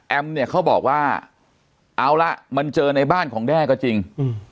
เนี่ยเขาบอกว่าเอาละมันเจอในบ้านของแด้ก็จริง